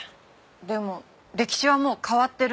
でも歴史はもう変わってるんです。